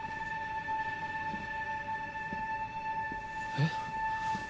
えっ？